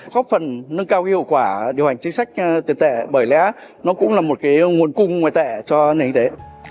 góp phần nâng cao cái hiệu quả điều hành chính sách tiền tệ bởi lẽ nó cũng là một cái nguồn cung ngoại tệ cho nền kinh tế